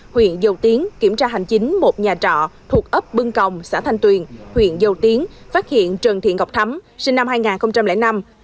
huyện dầu tiến kiểm tra hành chính một nhà trọ thuộc ấp bưng còng xã thanh tuyền huyện dầu tiến phát hiện trần thiện ngọc thắm sinh năm hai nghìn năm